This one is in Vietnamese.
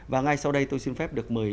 và ngay sau đây tôi xin phép được mời